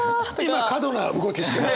今過度な動きしてます。